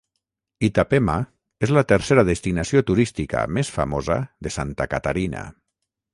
Itapema és la tercera destinació turística més famosa de Santa Catarina.